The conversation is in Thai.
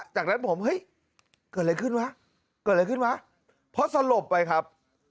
จากนั้นผมเฮ้ยเกิดอะไรขึ้นวะเกิดอะไรขึ้นวะเพราะสลบไปครับ